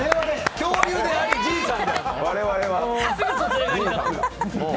恐竜でありじいさん？